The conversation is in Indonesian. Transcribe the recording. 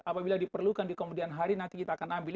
apabila diperlukan di kemudian hari nanti kita akan ambil